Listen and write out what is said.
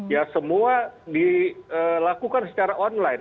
ya semua dilakukan secara online